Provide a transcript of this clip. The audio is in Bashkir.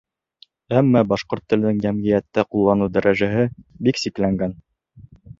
Әммә башҡорт теленең йәмғиәттә ҡулланылыу дәрәжәһе бик сикләнгән.